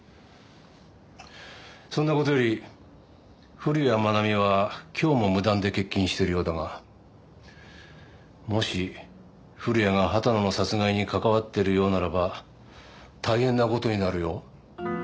そんな事より古谷愛美は今日も無断で欠勤しているようだがもし古谷が畑野の殺害に関わっているようならば大変な事になるよ。